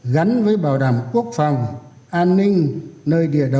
gắn với bảo đảm quốc phòng an ninh